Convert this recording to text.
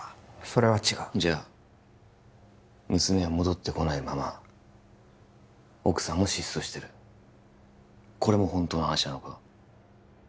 それは違うじゃあ娘は戻ってこないまま奥さんも失踪してるこれも本当の話なのか？